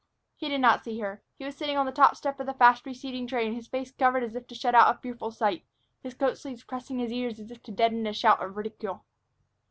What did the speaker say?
He did not see her. He was sitting on the top step of the fast receding train, his face covered as if to shut out a fearful sight, his coat sleeves pressing his ears as if to deaden a shout of ridicule.